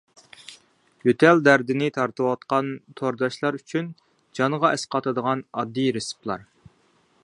يۆتەل دەردىنى تارتىۋاتقان تورداشلار ئۈچۈن جانغا ئەسقاتىدىغان ئاددىي رېتسېپلار.